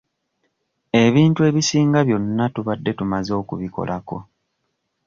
Ebintu ebisinga byonna tubadde tumaze okubikolako.